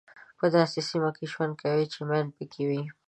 په داسې سیمه کې ژوند کوئ چې ماین پکې وي.